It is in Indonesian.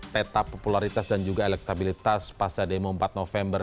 peta popularitas dan juga elektabilitas pasca demo empat november